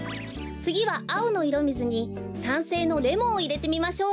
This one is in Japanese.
つぎはあおのいろみずに酸性のレモンをいれてみましょう。